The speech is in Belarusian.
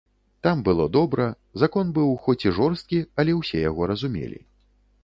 Там было добра, закон быў, хоць і жорсткі, але ўсе яго разумелі.